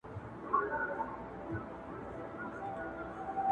زه په الله تعالی سره قسم کوم.